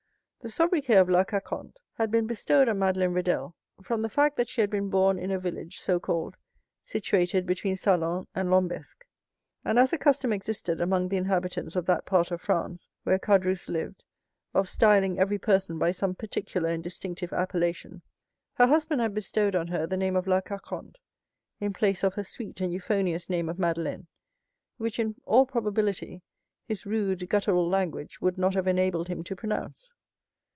The sobriquet of La Carconte had been bestowed on Madeleine Radelle from the fact that she had been born in a village, so called, situated between Salon and Lambesc; and as a custom existed among the inhabitants of that part of France where Caderousse lived of styling every person by some particular and distinctive appellation, her husband had bestowed on her the name of La Carconte in place of her sweet and euphonious name of Madeleine, which, in all probability, his rude gutteral language would not have enabled him to pronounce.